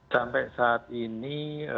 sampai saat ini